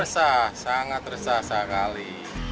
resah sangat resah sekali